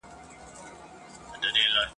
دلته درې نکتې د زيات غور وړ دي.